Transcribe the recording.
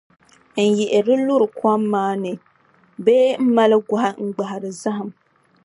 N-yiɣiri luri kom maa ni bee m-mali gɔhi n-gbahiri zahim.